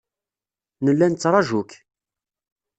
Nella nettraju-k.